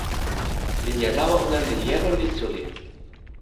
linja lawa ona li jelo li suli.